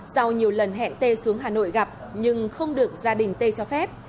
sau nhiều lần hẹn t xuống hà nội gặp nhưng không được gia đình tê cho phép